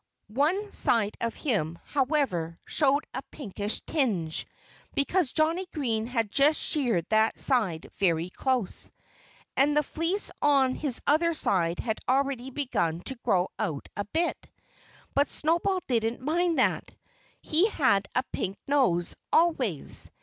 One side of him, however, showed a pinkish tinge, because Johnnie Green had just sheared that side very close. And the fleece on his other side had already begun to grow out a bit. But Snowball didn't mind that. He had a pink nose, always.